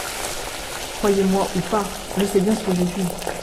Croyez-moi ou pas, je sais bien ce que j’ai vu.